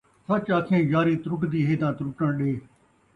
سچ آکھیں یاری ترٹدی ہے تاں ترٹݨ ݙے